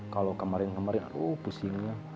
kalau kemarin kemarin aduh pusingnya